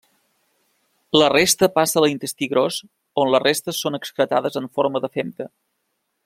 La resta passa a l'intestí gros on les restes són excretades en forma de femta.